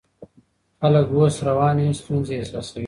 خلک اوس رواني ستونزې احساسوي.